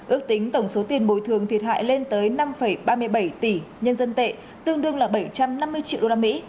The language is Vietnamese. ước tính tổng số tiền bồi thường thiệt hại lên tới năm ba mươi bảy tỷ nhân dân tệ tương đương là bảy trăm năm mươi triệu usd